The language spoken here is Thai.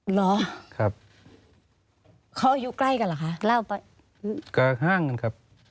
เหรอครับเขาอายุใกล้กันเหรอคะเล่าไปก็ห้างกันครับ